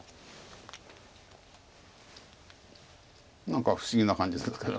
何か不思議な感じするけど。